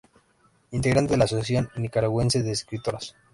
Integrante de la Asociación Nicaragüense de Escritoras.